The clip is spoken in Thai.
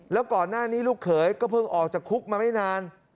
แล้วก่อนหน้านี้ลูกเขยก็เพิ่งออกจากคุกมาไม่นาน